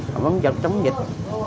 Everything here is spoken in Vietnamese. phòng dịch chống dịch